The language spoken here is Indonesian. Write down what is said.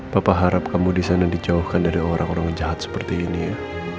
bapak harap kamu di sana dijauhkan dari orang orang jahat seperti ini ya